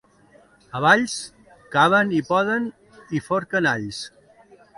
A Valls, caven i poden i forquen alls.